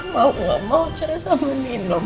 mau gak mau cari sama nino